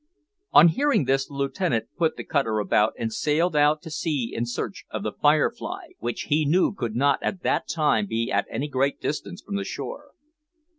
On hearing this the Lieutenant put the cutter about, and sailed out to sea in search of the `Firefly,' which he knew could not at that time be at any great distance from the shore.